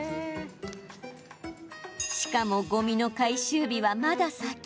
しかも、ごみの回収日はまだ先。